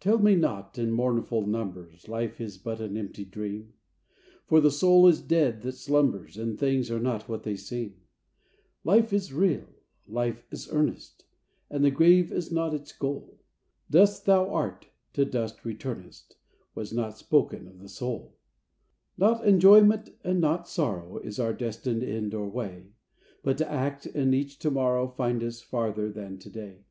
Tell me not, in mournful numbers, Life is but an empty dream ! For the soul is dead that slumbers. And things are not what they seem. Life is real ! Life is earnest ! And the grave is not its goal ; Dust thou art, to dust returnest, Was not spoken of the soul. VOICES OF THE NIGHT. Not enjoyment, and not sorrow, Is our destined end or way ; But to act, that each to morrow Find us farther than to day.